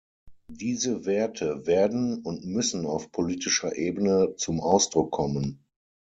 Diese Werte werden und müssen auf politischer Ebene zum Ausdruck kommen.